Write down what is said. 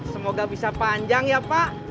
semoga bisa panjang ya pak